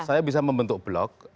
saya bisa membentuk blog